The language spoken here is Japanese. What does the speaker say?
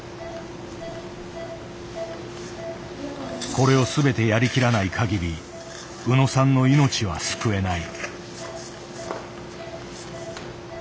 これを全てやりきらないかぎり宇野さんの命は救えない。